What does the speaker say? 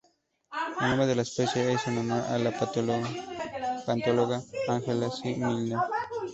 El nombre de la especie es en honor a la paleontóloga Angela C. Milner.